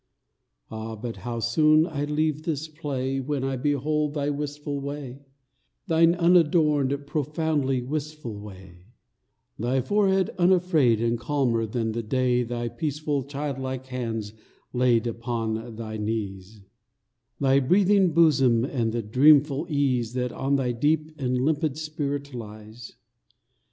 Ah, but how soon I leave this play When I behold thy wistful way, Thine unadorned, profoundly wistful way; Thy forehead unafraid and calmer than the day, Thy peaceful child like hands laid open on thy knees, Thy breathing bosom and the dreamful ease That on thy deep and limpid spirit lies.